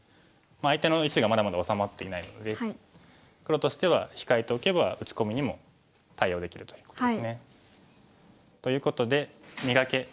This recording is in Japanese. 相手の石がまだまだ治まっていないので黒としては控えておけば打ち込みにも対応できるということですね。ということで「磨け！